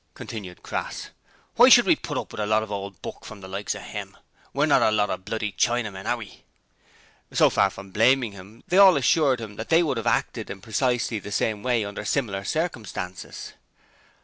continued Crass. 'Why should we put up with a lot of old buck from the likes of 'im! We're not a lot of bloody Chinamen, are we?' So far from blaming him, they all assured him that they would have acted in precisely the same way under similar circumstances.